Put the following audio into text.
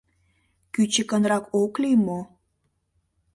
— Кӱчыкынрак ок лий мо?